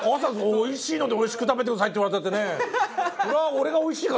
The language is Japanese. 「おいしいのでおいしく食べてください」って言われたってね。